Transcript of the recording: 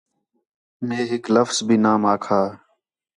مے ہِک لفظ بھی نام آکھا